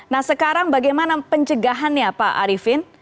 nah sekarang bagaimana pencegahannya pak arifin